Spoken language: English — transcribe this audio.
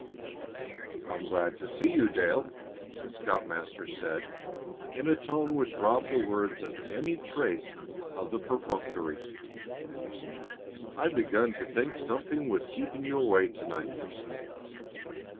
"I'm glad to see you, Dale," the scoutmaster said, in a tone which robbed the words of any trace of the perfunctory. "I'd begun to think something was keeping you away to night."